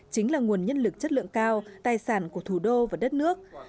chính là nguồn nhân lực chất lượng cao tài sản của thủ đô và đất nước